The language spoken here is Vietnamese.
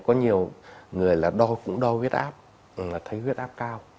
có nhiều người là đo cũng đo huyết áp là thấy huyết áp cao